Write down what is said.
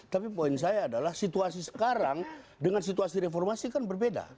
tapi poin saya adalah situasi sekarang dengan situasi reformasi kan berbeda